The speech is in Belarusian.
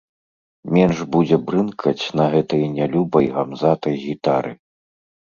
Менш будзе брынкаць на гэтай нялюбай гамзатай гітары.